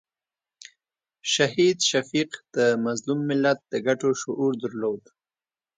شهید شفیق د مظلوم ملت د ګټو شعور درلود.